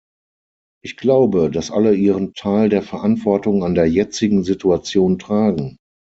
Ich glaube, dass alle ihren Teil der Verantwortung an der jetzigen Situation tragen.